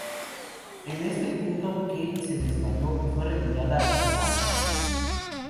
En este punto, Kane se desmayó y fue retirada de la habitación.